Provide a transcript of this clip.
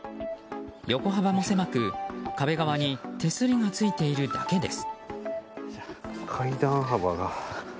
横幅も狭く、壁側に手すりがついているだけです。